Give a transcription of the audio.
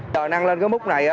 trời năng lên cái mức này